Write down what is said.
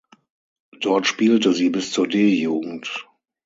Dort spielte sie bis zur D-Jugend.